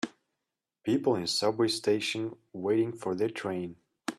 People in a subway station waiting for their train.